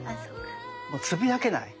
もうつぶやけない。